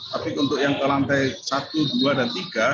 tapi untuk yang ke lantai satu dua dan tiga